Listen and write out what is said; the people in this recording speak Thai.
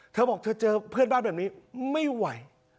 เธอบอกเธอเจอเพื่อนบ้านแบบนี้ไม่ไหว